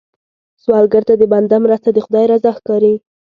سوالګر ته د بنده مرسته، د خدای رضا ښکاري